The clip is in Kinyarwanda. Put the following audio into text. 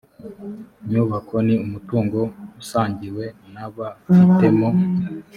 nyubako ni umutungo usangiwe n abafitemo